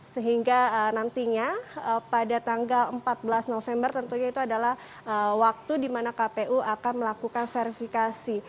sehingga nantinya pada tanggal empat belas november tentunya itu adalah waktu di mana kpu akan melakukan verifikasi